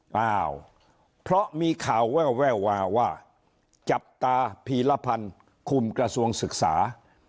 เปล่าเพราะมีข่าวแวววาว่าจับตาพีรพันธ์คุมกระทรวงศึกษา